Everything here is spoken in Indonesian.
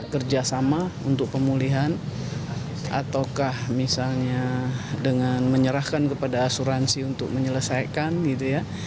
kerjasama untuk pemulihan ataukah misalnya dengan menyerahkan kepada asuransi untuk menyelesaikan gitu ya